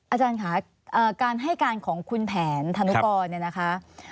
อาจารย์ค่ะการให้การของคุณแผนธนุกรเนี่ยนะคะ